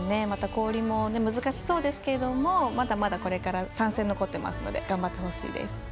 また、氷も難しそうですけどまだまだ、これから３戦残ってますので頑張ってほしいです。